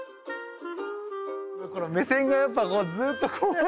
この目線がやっぱずっとこう。